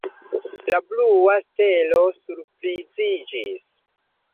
La blua stelo surpriziĝis.